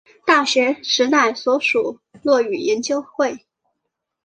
大学时代所属落语研究会。